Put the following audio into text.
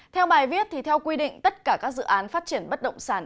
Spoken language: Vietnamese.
theo bài viết theo quy định tất cả các dự án phát triển bất động sản